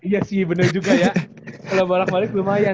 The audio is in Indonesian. iya sih bener juga ya kalau bolak balik lumayan